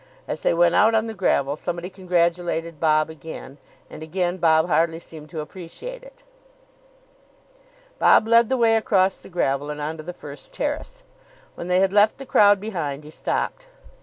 As they went out on the gravel, somebody congratulated Bob again, and again Bob hardly seemed to appreciate it.' Bob led the way across the gravel and on to the first terrace. When they had left the crowd behind, he stopped.